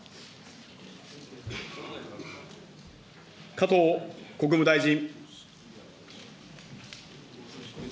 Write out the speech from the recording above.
加藤国務大臣。